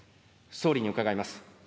総理に伺います。